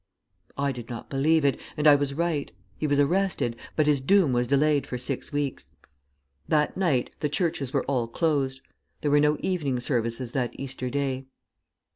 I did not believe it, and I was right. He was arrested, but his doom was delayed for six weeks. That night the churches were all closed. There were no evening services that Easter day.